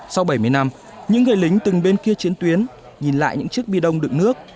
sau bảy mươi năm những người lính từng bên kia chiến tuyến nhìn lại những chiếc bi đông đựng nước